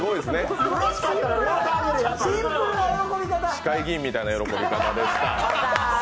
市会議員みたいな喜び方でした。